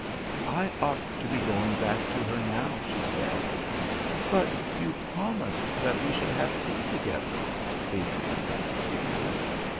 "I ought to be going back to her now," she said. "But you promised that we should have tea together," Adrian remonstrated.